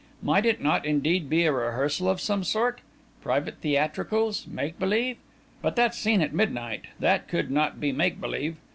Might it not, indeed, be a rehearsal of some sort private theatricals make believe? But that scene at midnight that could not be make believe!